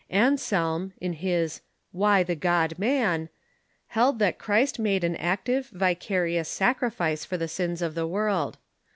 Anselm, in his "Why the God Man?" held that Christ made an active vica rious sacrifice for the sins of the world.